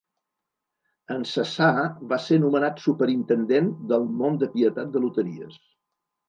En cessar va ser nomenat superintendent del Mont de Pietat de Loteries.